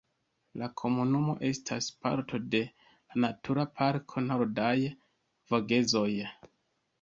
La komunumo estas parto de la Natura Parko Nordaj Vogezoj.